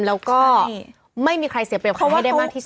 แล้วก็ไม่มีใครเสียเปรียบเขาให้ได้มากที่สุด